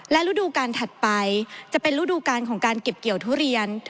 และฤดูการถัดไปจะเป็นฤดูการของการเก็บเกี่ยวทุเรียน